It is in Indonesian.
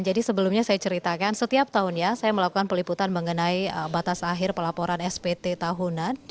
jadi sebelumnya saya ceritakan setiap tahun ya saya melakukan peliputan mengenai batas akhir pelaporan spt tahunan